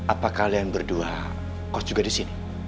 apa kalian berdua kos juga disini